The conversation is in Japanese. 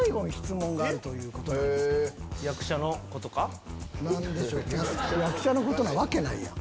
役者のことなわけないやん。